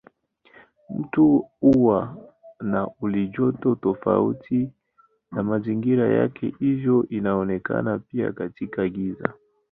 Mtu huwa na halijoto tofauti na mazingira yake hivyo anaonekana pia katika giza.